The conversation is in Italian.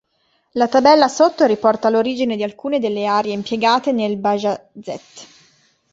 La tabella sotto riporta l'origine di alcune delle arie impiegate nel "Bajazet".